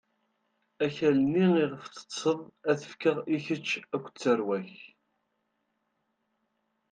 Akal-nni iɣef teṭṭṣeḍ, ad t-fkeɣ i kečč akked tarwa-k.